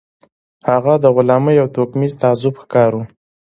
هغه د غلامۍ او توکميز تعصب ښکار و